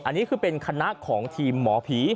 อันนี้คือเป็นคณะของทีมหมอผี